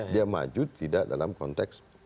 dia maju tidak dalam konteks